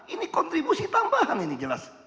ini kontribusi tambahan ini jelas